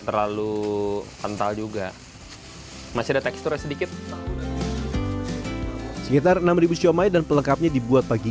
terlalu kental juga masih ada teksturnya sedikit sekitar enam siomay dan pelengkapnya dibuat pagi